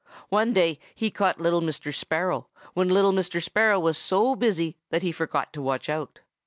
One day he caught little Mr. Sparrow when little Mr. Sparrow was so busy that he forgot to watch out.